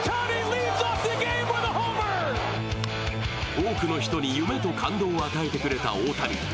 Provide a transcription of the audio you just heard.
多くの人に夢と感動を与えてくれた大谷。